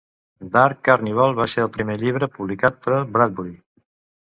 "Dark Carnival" va ser el primer llibre publicat de Bradbury.